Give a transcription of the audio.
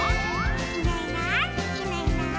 「いないいないいないいない」